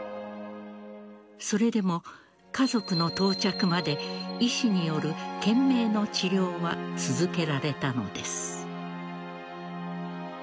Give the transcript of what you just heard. それでも家族の到着まで医師による懸命の治療は続けられたのです。